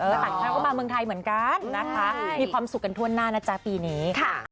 แล้วต่างชาติก็มาเมืองไทยเหมือนกันนะคะมีความสุขกันทั่วหน้านะจ๊ะปีนี้